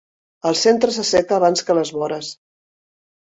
El centre s'asseca abans que les vores.